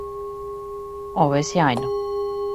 Ово је сјајно.